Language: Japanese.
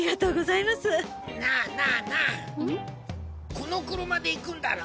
この車で行くんだろ？